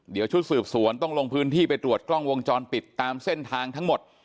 เดี๋ยวชุดสืบสวนต้องลงพื้นที่ไปตรวจกล้องวงจรปิดตามเส้นทางทั้งหมด